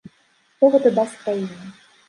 Што гэта дасць краіне?